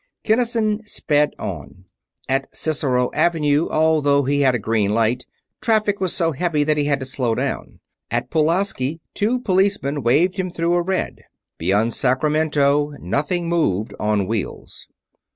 Kinnison sped on. At Cicero Avenue, although he had a green light, traffic was so heavy that he had to slow down; at Pulaski two policemen waved him through a red. Beyond Sacramento nothing moved on wheels.